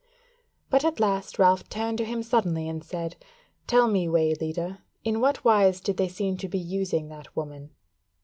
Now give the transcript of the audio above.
But at last Ralph turned to him suddenly and said: "Tell me, way leader, in what wise did they seem to be using that woman?"